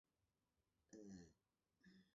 拉尔吉艾马尔松奈人口变化图示